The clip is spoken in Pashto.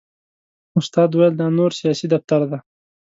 استاد ویل دا د نور سیاسي دفتر دی.